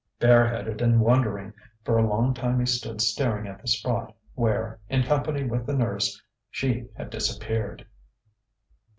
Bareheaded and wondering, for a long time he stood staring at the spot where, in company with the nurse, she had disappeared.